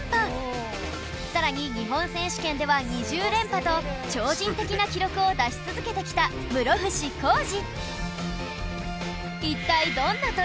更に日本選手権では２０連覇と超人的な記録を出し続けてきた室伏広治